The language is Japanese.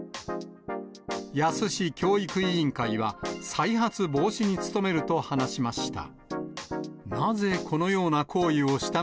野洲市教育委員会は、再発防止に努めると話しました。